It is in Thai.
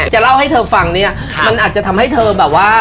จะเล่าให้เธอฟังเนี่ยมันอาจจะทำให้เธอแบบว่า